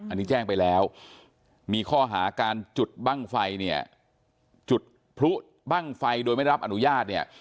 อันนี้แจ้งไปแล้วมีข้อหาการจุดบ้างไฟเนี่ยจุดพลุบ้างไฟโดยไม่ได้รับอนุญาตเนี่ย